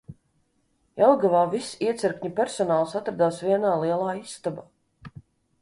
Jelgavā viss iecirkņa personāls atradās vienā lielā istabā.